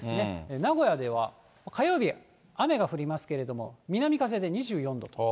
名古屋では火曜日、雨が降りますけれども、南風で２４度。